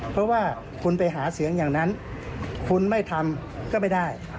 เพราะว่าคุณไปหาเสียงอย่างนั้นคุณไม่ทำก็ไม่ได้